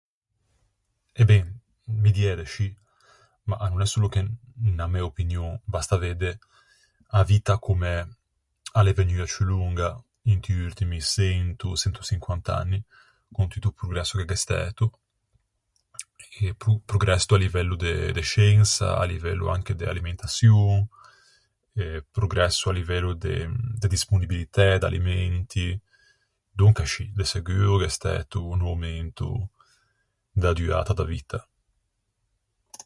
E ben, mi diæ de scì. Ma a no l'é solo che unna mæ opinion, basta vedde a vitta comme a l'é vegnua ciù longa inti urtimi çento, çentoçinquant'anni, con tutto o progresso che gh'é stæto, e pro- progresso à livello de de sciensa, à livello anche de alimentaçion, e progresso à livello de de disponibilitæ d'alimenti. Donca scì, de seguo gh'é stæto un aumento da duata da vitta.